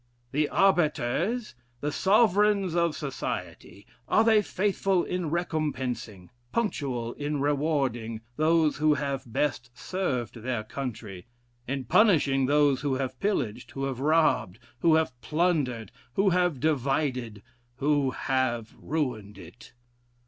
The arbiters, the sovereigns of society, are they faithful in recompensing punctual in rewarding, those who have best served their country, in punishing those who have pillaged, who have robbed, who have plundered, who have divided, who have ruined it?